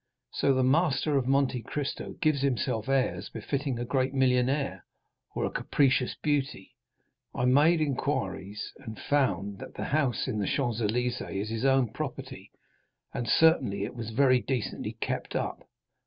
So the master of Monte Cristo gives himself airs befitting a great millionaire or a capricious beauty. I made inquiries, and found that the house in the Champs Élysées is his own property, and certainly it was very decently kept up.